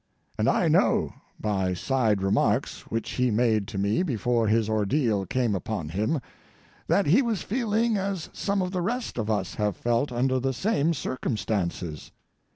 And I know, by side remarks which he made to me before his ordeal came upon him, that he was feeling as some of the rest of us have felt under the same circumstances.